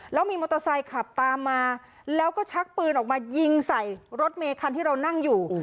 แล้วมีมอเตอร์ไซค์ขับตามมาแล้วก็ชักปืนออกมายิงใส่รถเมคันที่เรานั่งอยู่